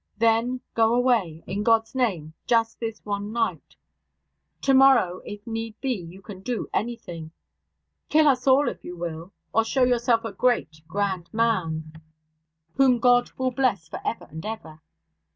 Then go away, in God's name, just this one night; tomorrow, if need be, you can do anything kill us all if you will, or show yourself a great, grand man, whom God will bless for ever and ever.